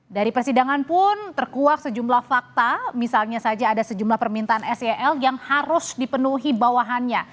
dari persidangan pun terkuak sejumlah fakta misalnya saja ada sejumlah permintaan sel yang harus dipenuhi bawahannya